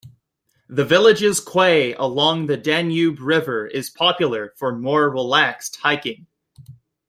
The village's quay along the Danube river is popular for more relaxed hiking.